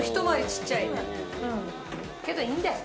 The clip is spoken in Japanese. けどいいんだよ